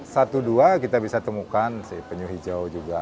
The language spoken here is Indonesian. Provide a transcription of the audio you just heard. satu dua kita bisa temukan si penyu hijau juga